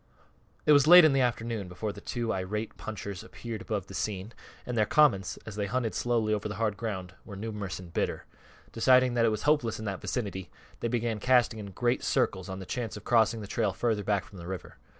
It was late in the afternoon before the two irate punchers appeared upon the scene, and their comments, as they hunted slowly over the hard ground, were numerous and bitter. Deciding that it was hopeless in that vicinity, they began casting in great circles on the chance of crossing the trail further back from the river.